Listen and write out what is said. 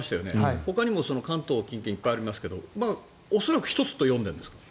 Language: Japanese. ほかにも関東近県いっぱいありますが恐らく１つと読んでいるんですか？